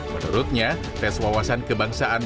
menurutnya tes wawasan kebangsaan